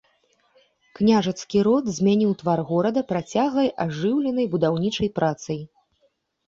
Княжацкі род змяніў твар горада працяглай ажыўленай будаўнічай працай.